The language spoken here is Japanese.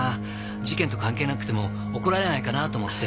事件と関係なくても怒られないかなと思って。